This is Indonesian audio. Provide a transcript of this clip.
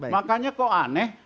makanya kok aneh